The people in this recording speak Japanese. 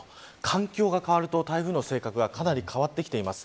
環境が変わると台風の性格がかなり変わってきています。